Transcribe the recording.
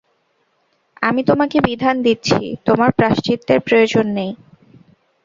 আমি তোমাকে বিধান দিচ্ছি, তোমার প্রায়শ্চিত্তের প্রয়োজন নেই।